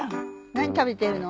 何食べてるの？